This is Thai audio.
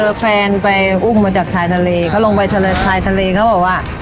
แฟนไปอุ้มมาจากชายทะเลเขาลงไปชายทะเลเขาบอกว่า